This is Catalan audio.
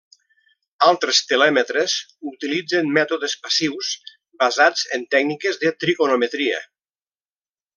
Altres telèmetres utilitzen mètodes passius, basats en tècniques de trigonometria.